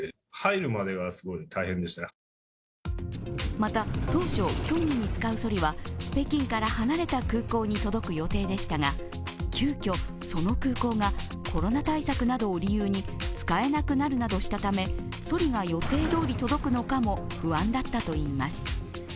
また、当初競技に使うそりは北京から離れた空港に届く予定でしたが、急きょ、その空港がコロナ対策などを理由に使えなくなるなどしたためそりが予定どおり届くのかも不安だったといいます。